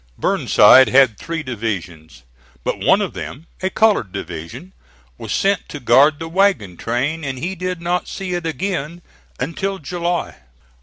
Burnside had three divisions, but one of them a colored division was sent to guard the wagon train, and he did not see it again until July.